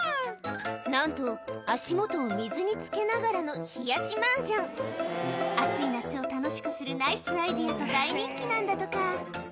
なんと足元を水につけながらの暑い夏を楽しくするナイスアイデアと大人気なんだとか